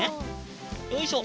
よいしょ。